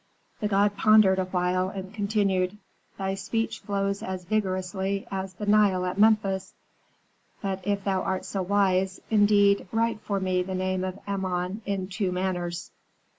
"The god pondered awhile, and continued, "'Thy speech flows as vigorously as the Nile at Memphis; but if thou art so wise, indeed, write for me the name of Amon in two manners.'